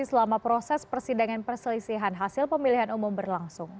selama proses persidangan perselisihan hasil pemilihan umum berlangsung